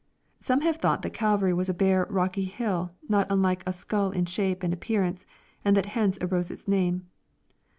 Some have thought that Calvary was a bare, rocky hill, not unlike a scull in shape and appearance, and that hence arose its name.